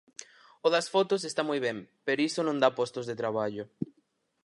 O das fotos está moi ben, pero iso non dá postos de traballo.